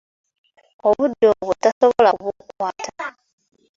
Obudde obwo tasobola kubukwata.